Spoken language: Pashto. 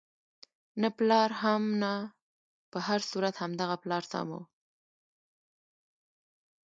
نه پلار هم نه، په هر صورت همدغه پلار سم وو.